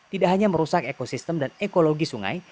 tidak hanya merusak ekosistem dan ekologi sungai